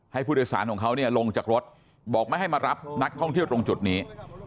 ผู้โดยสารของเขาเนี่ยลงจากรถบอกไม่ให้มารับนักท่องเที่ยวตรงจุดนี้